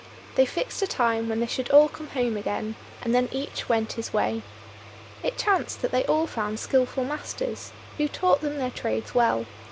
They fixed a time when they should all come home again, and then each went his way. It chanced that they all found skilful masters, who taught them their trades well.